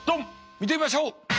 見てみましょう。